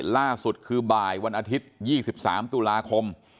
ล่าสุดคือบ่ายวันอาทิตย์๒๓ตุลาคม